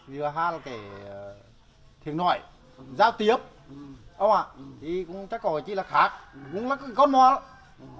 như là hai cái thường nội giao tiếp ông ạ thì cũng chắc có gì là khác cũng là con hoa lắm